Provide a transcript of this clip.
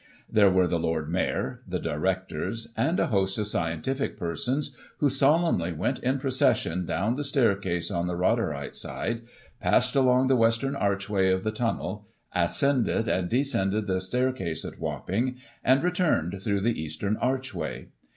There were the Lord Mayor, the directors, and a host of scientific persons, who solemnly went in procession down the staircase on the Rotherhithe side, passed along the western archway of the Tunnel, ascended and descended the staircase at Wapping, and returned through the eastern archway.